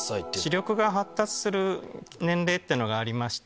視力が発達する年齢ってのがありまして。